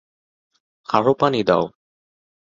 আরো পানি দাও!